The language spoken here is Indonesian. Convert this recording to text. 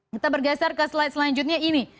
kita bergeser ke slide selanjutnya ini